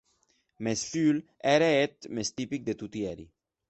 Mès Pfull ère eth mès tipic de toti eri.